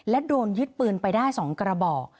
และโดนยึดปืนไปได้๒กระบอก